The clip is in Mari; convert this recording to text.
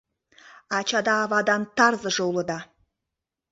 — Ачада-авадан тарзыже улыда...